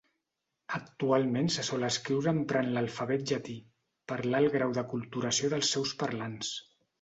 Actualment se sol escriure emprant l'alfabet llatí, per l'alt grau d'aculturació dels seus parlants.